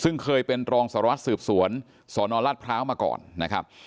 ซึ่งเคยเป็นรองสารวัตรสืบสวนสนรัฐพร้าวมาก่อนนะครับ